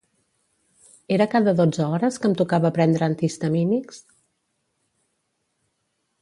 Era cada dotze hores que em tocava prendre antihistamínics?